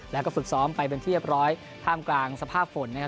แล้วก็ฝึกซ้อมไปเป็นที่เรียบร้อยท่ามกลางสภาพฝนนะครับ